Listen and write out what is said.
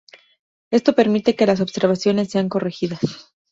Esto permite que las observaciones sean corregidas.